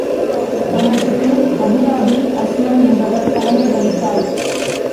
அவருக்குப் பின் அபூராபி அஸ்லம் என்பவர் தலைமை வகித்தார்.